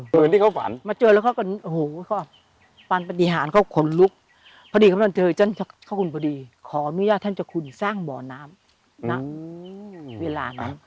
ฝันที่เขาฝันมาเจอแล้วก็โอ้โหฝันปฏิหารเขาขนลุกพอดีเขาต้องเจอฉะนั้นขอขอบคุณพอดีขออนุญาตท่านเจ้าคุณสร้างบ่อน้ำนะเวลานั้น